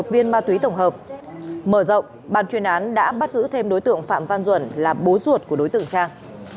ba một trăm một mươi một viên ma túy tổng hợp mở rộng bàn chuyên án đã bắt giữ thêm đối tượng phạm văn duẩn là bố ruột của đối tượng trang